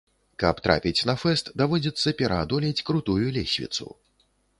Каб трапіць на фэст, даводзіцца пераадолець крутую лесвіцу.